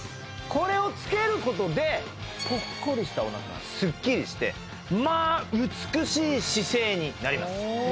これをつけることでぽっこりしたおなかがすっきりしてまあ美しい姿勢になります